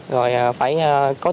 rồi phải có tinh thần trách nhiệm